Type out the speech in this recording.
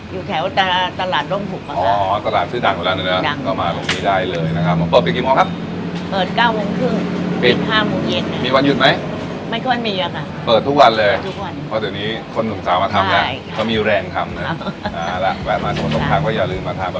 อยู่แถวตลาดโรงผุมนะคะอ๋อตลาดที่ร้านโรงผุมมาลงที่ได้เลยนะครับ